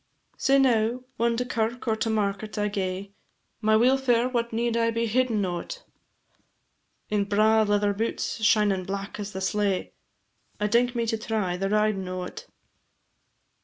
Sae now, whan to kirk or to market I gae My weelfare what need I be hiddin' o't? In braw leather boots shinin' black as the slae, I dink me to try the ridin' o't.